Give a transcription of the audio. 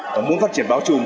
và muốn phát triển bao trùm